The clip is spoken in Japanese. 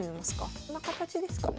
こんな形ですかね。